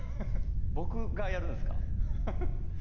僕がやるんですか？